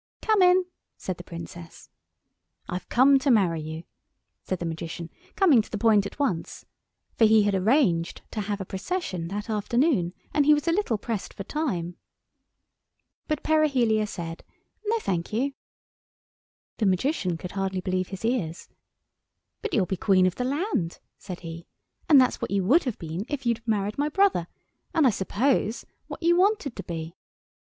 "Come in," said the Princess. "I've come to marry you," said the Magician, coming to the point at once; for he had arranged to have a procession that afternoon, and he was a little pressed for time. But Perihelia said, "No, thank you." The Magician could hardly believe his ears. "But you'll be Queen of the land," said he, "and that's what you'd have been if you'd married my brother, and, I suppose, what you wanted to be."